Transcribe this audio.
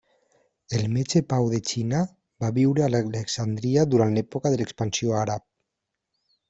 El metge Pau d'Egina va viure a Alexandria durant l'època de l'expansió àrab.